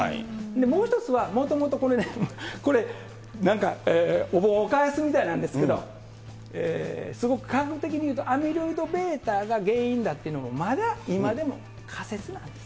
もう一つは、もともとこれね、これ、なんかお盆を返すみたいなんですけれども、それを本格的に言うと、アミロイドβが原因だというのも、まだ、今でも仮説なんです。